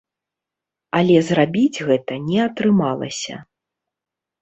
Але зрабіць гэта не атрымалася.